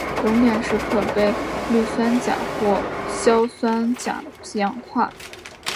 熔点时可被氯酸钾或硝酸钾氧化。